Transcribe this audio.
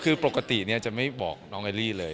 คือปกติเนี่ยจะไม่บอกน้องเอรี่เลย